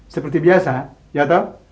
seperti biasa ya tau